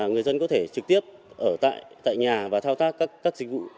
người dân có thể trực tiếp ở tại nhà và thao tác các dịch vụ